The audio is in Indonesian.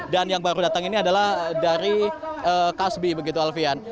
dan yang baru datang ini adalah dari kasbi begitu alfian